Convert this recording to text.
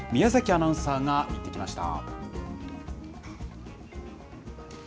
アナウンサーが行ってきました。